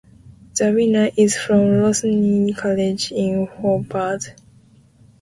The winner is from Rosny College in Hobart.